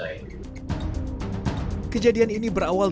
kejadian ini berawal dari kejadian yang terjadi di bandung